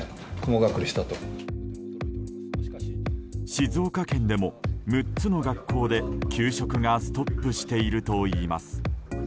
静岡県でも、６つの学校で給食がストップしているといいます。